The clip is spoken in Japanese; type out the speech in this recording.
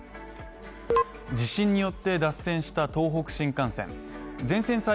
地震によって脱線した東北新幹線。